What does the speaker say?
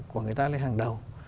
của người ta lên hàng đầu